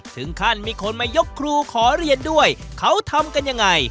ถึงขั้นมีคนมายกครูขอเรียนด้วยเขาทำกันยังไง